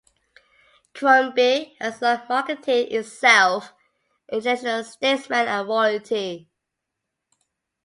Crombie has long marketed itself at international statesmen and royalty.